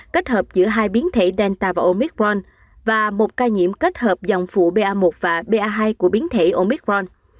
kết hợp giữa hai biến thể delta và omicron và một ca nhiễm kết hợp dòng phụ ba một và ba hai của biến thể omicron